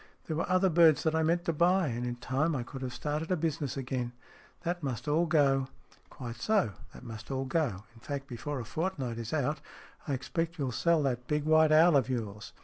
There were other birds that I meant to buy. And in time I could have started a business again. That must all go." " Quite so. That must all go. In fact, before a fortnight is out I expect you'll sell that big white owl of yours.